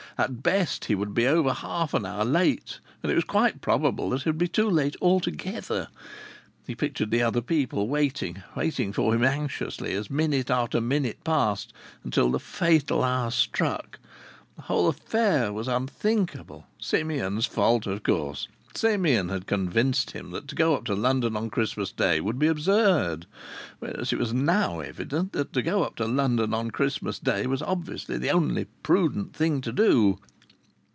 At the best he would be over half an hour late, and it was quite probable that he would be too late altogether. He pictured the other people waiting, waiting for him anxiously, as minute after minute passed, until the fatal hour struck. The whole affair was unthinkable. Simeon's fault, of course. Simeon had convinced him that to go up to London on Christmas Day would be absurd, whereas it was now evident that to go up to London on Christmas Day was obviously the only prudent thing to do.